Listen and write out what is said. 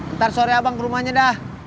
ntar sore abang ke rumahnya dah